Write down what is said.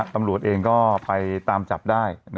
ตำรวจเองก็ไปตามจับได้